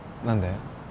何で？